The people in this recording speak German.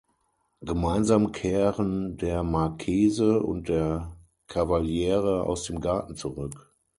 Gemeinsam kehren der Marchese und der Cavaliere aus dem Garten zurück.